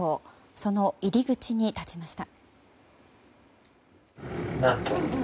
その入り口に立ちました。